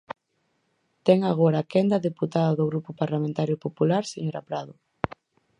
Ten agora a quenda a deputada do Grupo Parlamentario Popular señora Prado.